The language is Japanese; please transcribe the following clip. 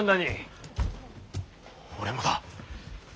俺もだ。